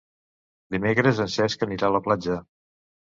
Dimecres en Cesc anirà a la platja.